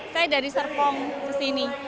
saya dari serpong ke sini